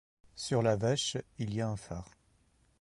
Sur La Vache, il y a un phare.